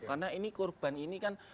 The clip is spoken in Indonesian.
karena ini korban ini kan